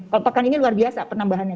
kalau pekan ini luar biasa penambahannya